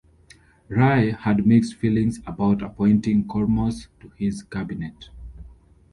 Rae had mixed feelings about appointing Kormos to his cabinet.